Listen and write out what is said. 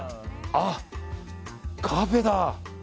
あ、カフェだ。